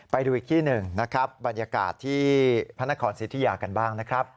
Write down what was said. ไปดูอีกที่หนึ่งนะครับบรรยากาศที่พระนครสิทธิยากันบ้างนะครับ